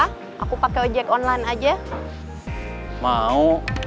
kamu sakit dari wujudmu